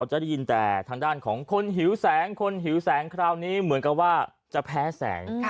จะได้ยินแต่ทางด้านของคนหิวแสงคนหิวแสงคราวนี้เหมือนกับว่าจะแพ้แสง